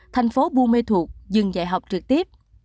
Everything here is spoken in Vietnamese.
thành phố bu mê thuộc dừng dạy học trực tiếp